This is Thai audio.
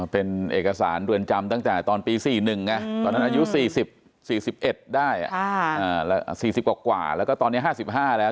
เป็นเอกสารเรือนจำตั้งแต่ตอนปี๔๑ไงตอนนั้นอายุ๔๑ได้๔๐กว่าแล้วก็ตอนนี้๕๕แล้ว